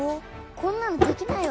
こんなのできないよ